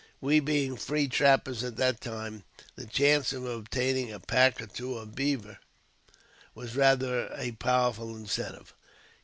We being free trappers at that time, the chance of obtaining a pack or two of beaver was rather a powerful incentive.